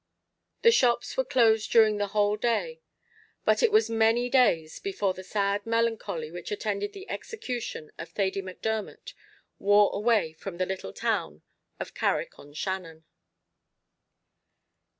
The shops were closed during the whole day; but it was many days before the sad melancholy which attended the execution of Thady Macdermot wore away from the little town of Carrick on Shannon.